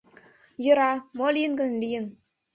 Йӧра, мо лийын гын, лийын.